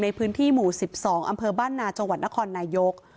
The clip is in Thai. ในพื้นที่หมู่๑๒อำเภอบ้านนาจังหวัดนครนายก